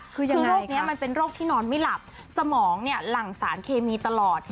คือยังไงค่ะโรคนี้มันเป็นโรคที่นอนไม่หลับสมองหลั่งสารเคมีตลอด